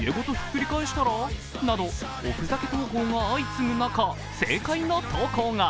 おふざけ投稿が相次ぐ中、正解の投稿が。